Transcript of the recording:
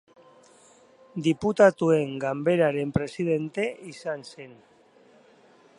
Diputatuen Ganberaren presidente izan zen.